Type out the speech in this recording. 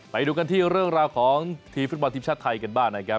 ไปดูกันที่เรื่องราวของทีมฟุตบอลทีมชาติไทยกันบ้างนะครับ